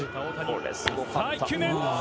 実況：さあ１球目。